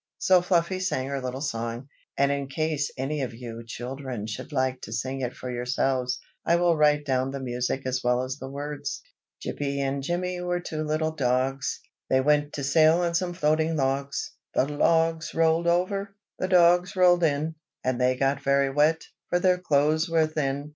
So Fluffy sang her little song; and in case any of you children should like to sing it for yourselves, I will write down the music as well as the words. [Illustration: Music] 1. Jippy and Jimmy were two little dogs, They went to sail on some floating logs, The logs roll'd over: the dogs roll'd in, And they got very wet, for their clothes were thin.